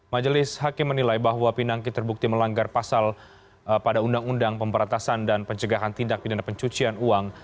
majelis hakim menilai bahwa pinangki terbukti melanggar pasal pada undang undang pemberantasan dan pencegahan tindak pidana pencucian uang